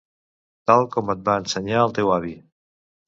Tal com et va ensenyar el teu avi.